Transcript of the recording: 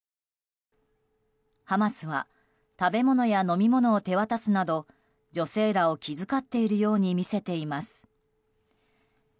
ハマスは食べ物や飲み物を手渡すなど女性らを気遣っているように見せています。